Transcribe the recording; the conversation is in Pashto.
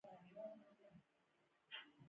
د انتقالي ګولایي طول د تعجیل په بدلون پورې اړه لري